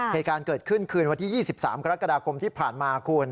เหตุการณ์เกิดขึ้นคืนวันที่๒๓กรกฎาคมที่ผ่านมาคุณ